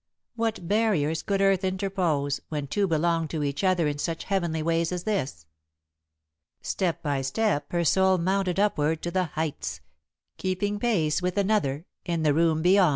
What barriers could earth interpose, when two belonged to each other in such heavenly ways as this? Step by step her soul mounted upward to the heights, keeping pace with another, in the room beyond.